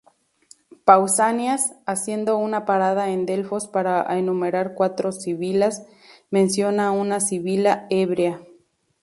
Pausanias, haciendo una parada en Delfos para enumerar cuatro sibilas, menciona una "sibila hebrea".